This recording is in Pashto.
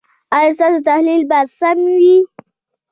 ایا ستاسو تحلیل به سم وي؟